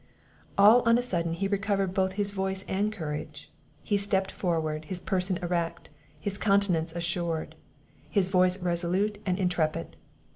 All on a sudden he recovered both his voice and courage; he stepped forward, his person erect, his countenance assured, his voice resolute and intrepid.